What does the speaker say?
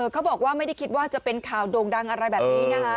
เขาบอกว่าไม่ได้คิดว่าจะเป็นข่าวโด่งดังอะไรแบบนี้นะคะ